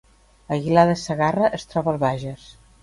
Aguilar de Segarra es troba al Bages